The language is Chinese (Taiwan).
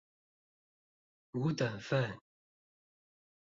五等分